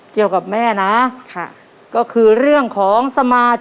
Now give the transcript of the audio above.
เกี่ยวกับแม่นะ